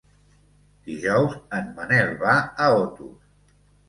Dijous en Manel va a Otos.